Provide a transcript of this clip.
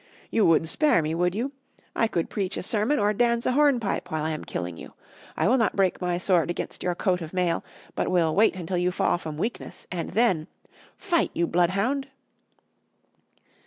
You would spare me, would you? I could preach a sermon or dance a hornpipe while I am killing you. I will not break my sword against your coat of mail, but will wait until you fall from weakness and then.... Fight, you bloodhound!"